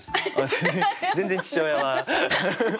全然父親は。